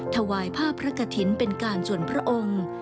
ถวายพระพระกฐินถิวรรภ์เป็นการส่วนพระองค์